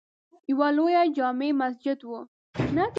یوه لویه جامع مسجد وه.